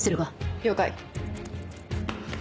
了解。